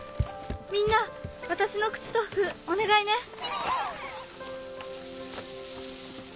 みんな私の靴と服お願いね。